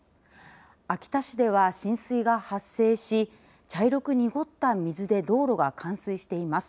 秋田市では浸水が発生し茶色く濁った水で道路が冠水しています。